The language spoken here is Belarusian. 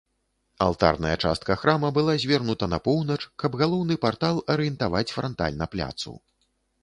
Алтарная частка храма была звернута на поўнач, каб галоўны партал арыентаваць франтальна пляцу.